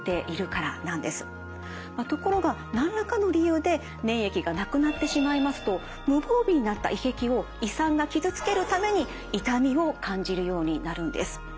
ところが何らかの理由で粘液がなくなってしまいますと無防備になった胃壁を胃酸が傷つけるために痛みを感じるようになるんです。